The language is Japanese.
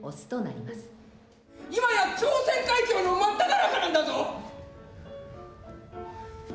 今や朝鮮海峡の真っただ中なんだぞ！